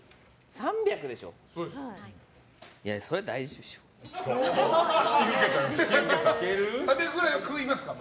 ３００くらいは食いますか？